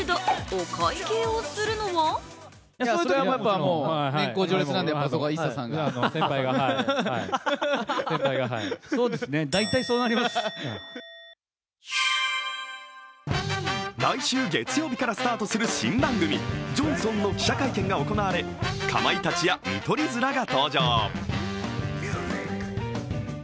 お会計をするのは来週月曜日からスタートする新番組「ジョンソン」の記者会見が行われかまいたちや見取り図らが登場。